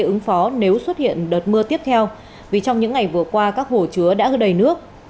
ứng phó nếu xuất hiện đợt mưa tiếp theo vì trong những ngày vừa qua các hồ chứa đã đầy nước